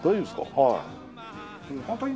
はい。